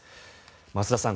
増田さん